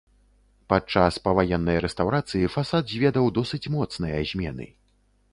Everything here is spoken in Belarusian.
Падчас паваеннай рэстаўрацыі фасад зведаў досыць моцныя змены.